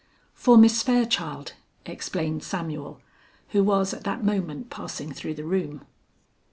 "For Miss Fairchild," explained Samuel, who was at that moment passing through the room.